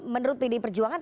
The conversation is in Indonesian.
menurut pd perjuangan